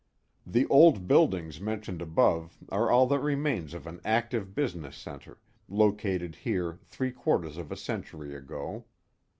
The old buildings mentioned above are all that remains of an active business centre, located here three quarters of a century ago.